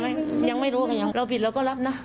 ไม่ค่ะยังไม่รู้เราผิดเราก็รับนะ